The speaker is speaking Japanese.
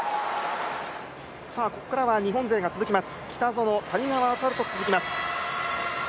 ここからは日本勢が続きます北園、谷川航と続きます。